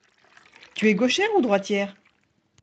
Tu es gauchère ou droitière ?